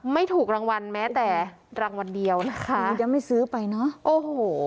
ไม่ถูกรางวัลแม้แต่รางวัลเดียวนะคะยังไม่ซื้อไปเนอะโอ้โห